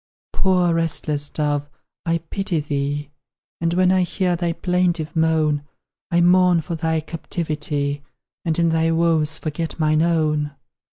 Poor restless dove, I pity thee; And when I hear thy plaintive moan, I mourn for thy captivity, And in thy woes forget mine own.